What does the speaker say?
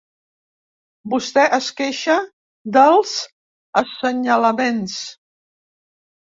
Vostè es queixa dels assenyalaments.